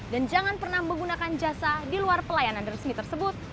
dan jangan pernah menggunakan jasa di luar pelayanan resmi tersebut